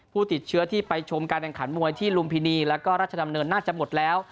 ผู้ติดเชื้อที่ไปชมการแข่งขันมวยที่ลุมพินีแล้วก็ราชดำเนินน่าจะหมดแล้ว